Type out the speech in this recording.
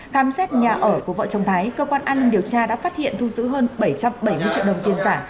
khám xét nhà ở của vợ chồng thái cơ quan an ninh điều tra đã phát hiện thu giữ hơn bảy trăm bảy mươi triệu đồng tiền giả